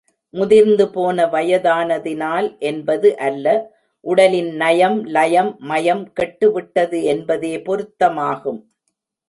முதிர்ந்து போன வயதானதினால் என்பது அல்ல, உடலின் நயம், லயம், மயம் கெட்டு விட்டது என்பதே பொருத்தமாகும்.